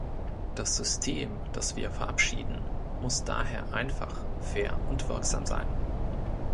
Das System, das wir verabschieden, muss daher einfach, fair und wirksam sein.